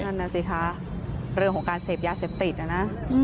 นั่นน่ะสิคะเรื่องของการเสพยาเสพติดนะนะ